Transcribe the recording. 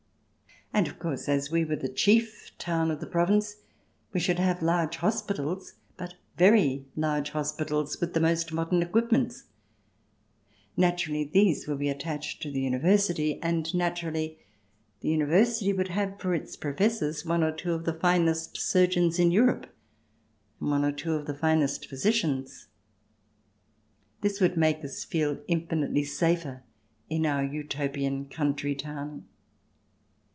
And, of course, as we were the chief town of the province we should have large hospitals — but very large hospitals with the most modern equipments 1 Naturally, these CH. IV] UTOPIA 51 would be attached to the University, and naturally, the University would have for its professors one or two of the finest surgeons in Europe and one or two of the finest physicians. This would make us feel infinitely safer in our Utopian country town.